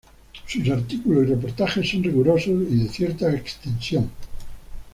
Sus artículos y reportajes son rigurosos y de cierta extensión.